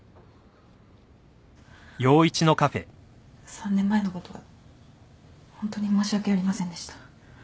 ３年前のことはホントに申し訳ありませんでした。